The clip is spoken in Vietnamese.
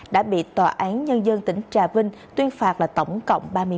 đã bị tòa án nhân dân tỉnh trà vinh tuyên phạt là tổng cộng ba mươi năm tù